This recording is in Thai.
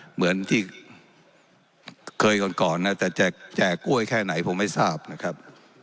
เหมือนที่เคยก่อนนะแต่แจกกล้วยแค่ไหนผมไม่ทราบนะครับ